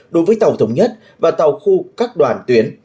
đối với tàu thống nhất và tàu khu các đoàn tuyến